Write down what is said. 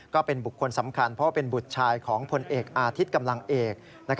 ก็เป็นบุคคลสำคัญเพราะว่าเป็นบุตรชายของพลเอกอาทิตย์กำลังเอก